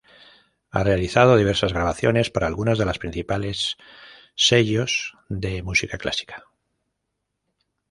Ha realizado diversas grabaciones para algunas de los principales sellos de música clásica.